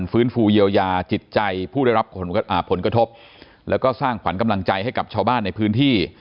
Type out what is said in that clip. ฟื้นฟูเยียวยาจิตใจผู้ได้รับผลกระทบแล้วก็สร้างขวัญกำลังใจให้กับชาวบ้านในพื้นที่